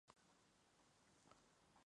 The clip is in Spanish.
Políticamente están organizados en jefaturas.